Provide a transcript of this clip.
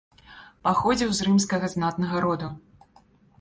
Паходзіў з рымскага знатнага роду.